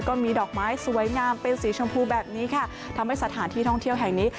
ก็มีดอกไม้สวยงามเป็นสีชมพูแบบนี้ค่ะทำให้สถานที่ท่องเที่ยวแห่งนี้